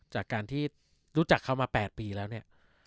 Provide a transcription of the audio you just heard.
จากการที่รู้จักเขามา๘ปีแล้วเนี่ย